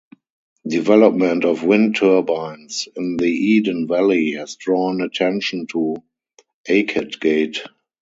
Development of wind turbines in the Eden Valley has drawn attention to Aiketgate.